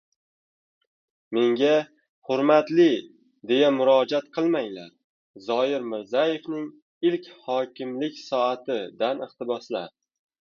«Menga «hurmatli» deya murojaat qilmanglar» - Zoyir Mirzayevning ilk «hokimlik soati»dan iqtiboslar